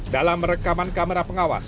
dalam rekaman kamera pengawas